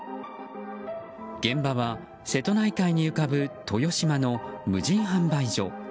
現場は瀬戸内海に浮かぶ豊島の無人販売所。